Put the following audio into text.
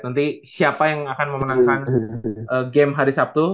nanti siapa yang akan memenangkan game hari sabtu